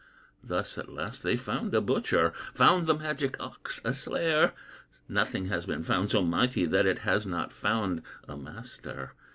Thus at last they found a butcher, Found the magic ox a slayer. Nothing has been found so mighty That it has not found a master.